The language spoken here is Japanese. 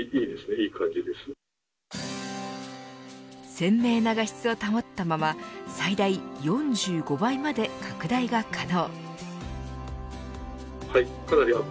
鮮明な画質を保ったまま最大４５倍まで拡大が可能。